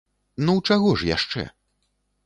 Ну, чаго ж яшчэ?